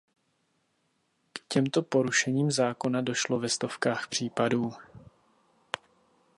K těmto porušením zákona došlo ve stovkách případů.